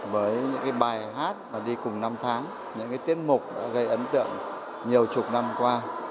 với những cái bài hát mà đi cùng năm tháng những cái tiết mục đã gây ấn tượng nhiều chục năm qua